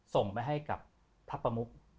ส่งไปให้กับพระประมุก